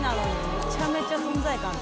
めちゃめちゃ存在感ある。